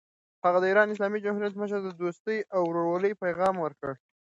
هغه د ایران اسلامي جمهوریت مشر ته د دوستۍ او ورورولۍ پیغام ورکړ.